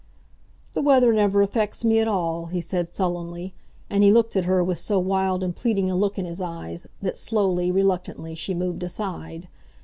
"The weather never affects me at all," he said sullenly; and he looked at her with so wild and pleading a look in his eyes that, slowly, reluctantly, she moved aside.